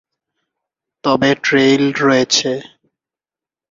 তবে ট্রেইল রয়েছে।